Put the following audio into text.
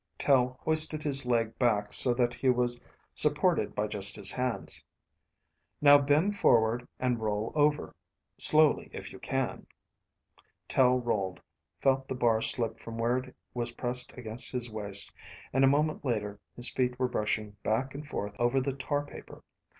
Tel hoisted his leg back so that he was supported by just his hands. "Now bend forward and roll over, slowly if you can." Tel rolled, felt the bar slip from where it was pressed against his waist, and a moment later his feet were brushing back and forth over the tar paper.